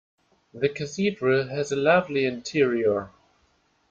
The Cathedral has a lovely interior.